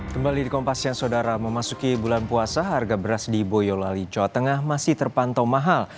kembali di kompas yang saudara memasuki bulan puasa harga beras di boyolali jawa tengah masih terpantau mahal